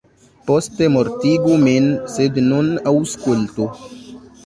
Poste mortigu min, sed nun aŭskultu.